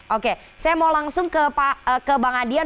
oke saya mau langsung ke bang adian